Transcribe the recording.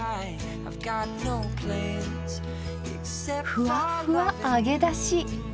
ふわふわ揚げだし。